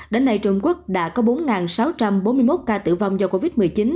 đến nay trung quốc đã có bốn sáu trăm bốn mươi một ca tử vong do covid một mươi chín